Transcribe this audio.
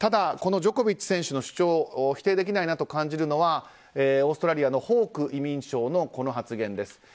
ジョコビッチ選手の主張を否定できないなと感じるのはオーストラリアのホーク移民相のこの発言です。